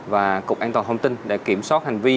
và cục an toàn thông tin để kiểm soát hành vi